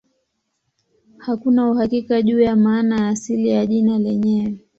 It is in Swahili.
Hakuna uhakika juu ya maana ya asili ya jina lenyewe.